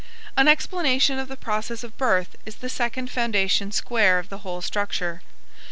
An explanation of the process of birth is the second foundation square of the whole structure.